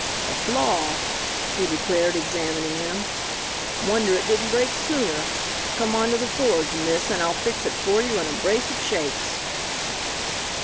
"A flaw," he declared, examining them; "wonder it didn't break sooner. Come on to the forge, miss, and I'll fix it for you in a brace of shakes."